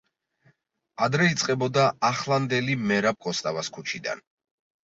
ადრე იწყებოდა ახლანდელი მერაბ კოსტავას ქუჩიდან.